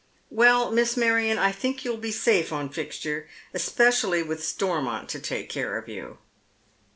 " Well, Miss Marion, I think you'll be safe on Fixture, especially with Stormont to take care of you."